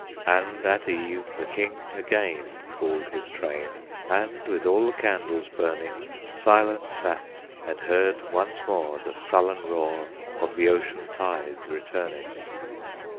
And at eve the king again Called his train, And, with all the candles burning, Silent sat and heard once more The sullen roar Of the ocean tides returning.